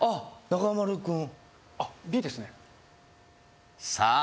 中丸君あっＢですねさあ